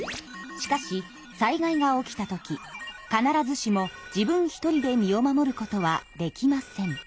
しかし災害が起きた時必ずしも自分１人で身を守ることはできません。